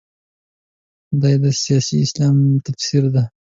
دا د سیاسي اسلام تفسیر ده.